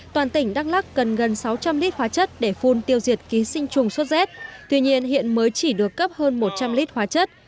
toàn tỉnh đắk lắc cần gần sáu trăm linh lít hóa chất để phun tiêu diệt ký sinh trùng sốt rét tuy nhiên hiện mới chỉ được cấp hơn một trăm linh lít hóa chất